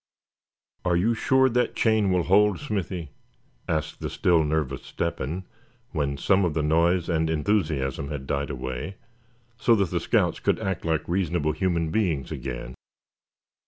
"Are you sure that chain will hold, Smithy?" asked the still nervous Step hen, when some of the noise and enthusiasm had died away, so that the scouts could act like reasonable human beings again.